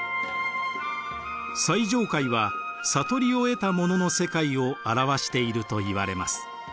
最上階は悟りを得た者の世界を表しているといわれます。